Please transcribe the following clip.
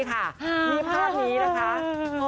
พาปนี้นะคะ